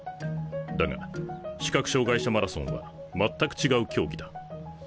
だが視覚障害者マラソンは全く違う競技だ。